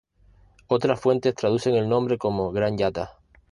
Otras fuentes traducen el nombre como "Gran Yatta".